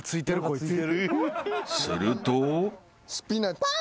［すると］あ！